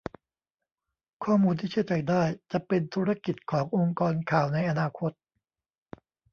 ข้อมูลที่เชื่อใจได้ จะเป็นธุรกิจขององค์กรข่าวในอนาคต